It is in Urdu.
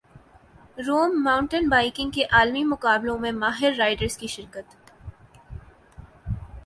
روم ماونٹین بائیکنگ کے عالمی مقابلوں میں ماہر رائیڈرز کی شرکت